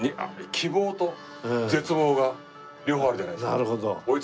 希望と絶望が両方あるじゃないですか。